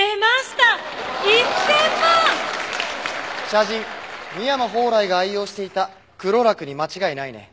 茶人宮野蓬莱が愛用していた黒楽に間違いないね。